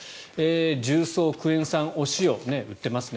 重曹、クエン酸、お塩売ってますね。